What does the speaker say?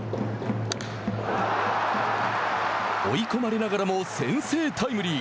追い込まれながらも先制タイムリー。